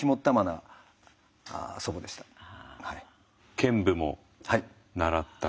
剣舞も習ったり。